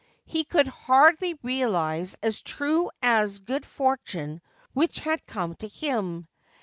He could hardly realise as true the good fortune which had come to him.